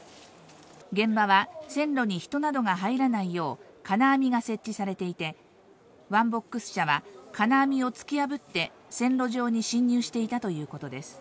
現場は線路に人などが入らないよう金網が設置されていて、ワンボックス車は金網を突き破って線路上に侵入していたということです。